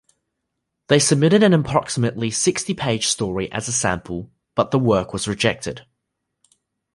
They submitted an approximately sixty-page story as a sample, but the work was rejected.